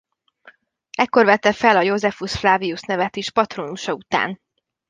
Ekkor vette fel a Iosephus Flavius nevet is patrónusa után.